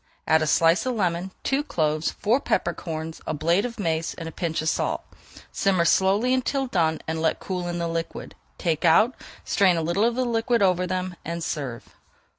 Add a slice of lemon, two cloves, four pepper corns, a blade of mace, and a pinch of salt. Simmer slowly until done and let cool in the liquid. Take out, strain a little of the liquid over them, and serve.